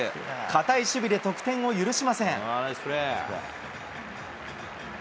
堅い守備で得点を許しません。